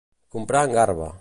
Comprar en garba.